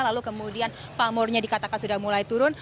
lalu kemudian pamornya dikatakan sudah mulai turun